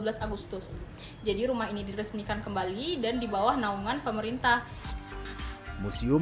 mulai dari sisilah keturunan kemudian kemudian kemudian kemudian kemudian kemudian